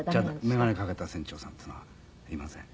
眼鏡かけた船長さんっていうのはいません。